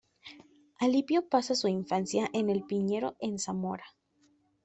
Alipio pasa su infancia en El Piñero en Zamora.